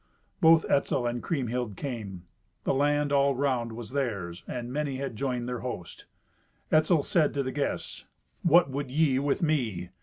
Both Etzel and Kriemhild came. The land all round was theirs, and many had joined their host. Etzel said to the guests, "What would ye with me?